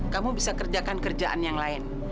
kamu bisa kerjakan kerjaan yang lain